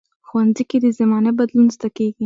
ښوونځی کې د زمانه بدلون زده کېږي